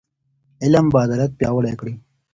علم به عدالت پیاوړی کړي.